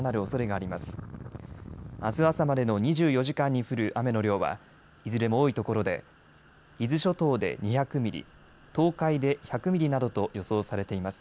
あす朝までの２４時間に降る雨の量はいずれも多いところで伊豆諸島で２００ミリ、東海で１００ミリなどと予想されています。